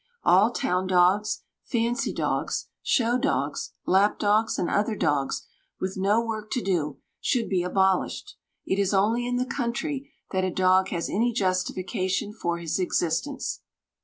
All town dogs, fancy dogs, show dogs, lap dogs, and other dogs with no work to do, should be abolished; it is only in the country that a dog has any justification for his existence.